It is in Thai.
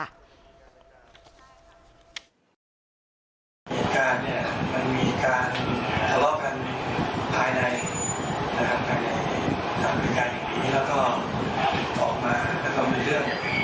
และสถานการณ์ก็ค่อนข้างทิศทางต้องจะมั่วมั่วนิดนะคะ